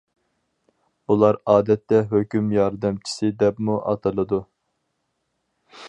بۇلار ئادەتتە ھۆكۈم ياردەمچىسى دەپمۇ ئاتىلىدۇ.